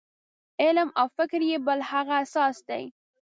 علم او فکر یې بل هغه اساس دی.